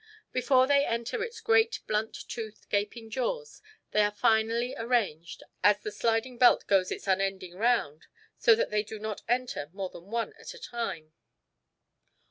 Before they enter its great blunt toothed, gaping jaws, they are finally arranged, as the sliding belt goes its unending round, so that they do not enter more than one at a time.